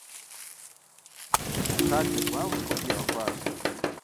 Псалъэ гуауэр гум дигъэхуащ.